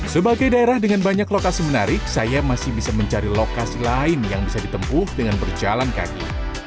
sebagai daerah dengan banyak lokasi menarik saya masih bisa mencari lokasi lain yang bisa ditempuh dengan berjalan kaki